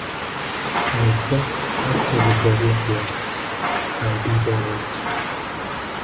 Oyatda «haq» so‘zi borliq bilan g‘aybiy bog‘lanyapti